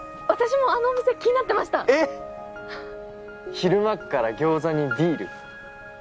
昼間っから餃子にビール。